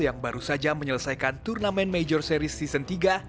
yang baru saja menyelesaikan turnamen major series season tiga dua ribu dua puluh